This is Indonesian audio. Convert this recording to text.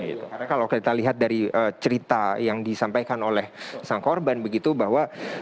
karena kalau kita lihat dari cerita yang disampaikan oleh sang korban begitu bahwa